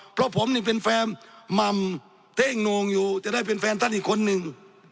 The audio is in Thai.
เพราะผมนี่เป็นแฟนหม่ำเท่งโน่งอยู่จะได้เป็นแฟนท่านอีกคนนึง